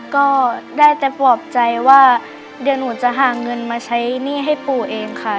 ก็ได้แต่ปลอบใจว่าเดี๋ยวหนูจะหาเงินมาใช้หนี้ให้ปู่เองค่ะ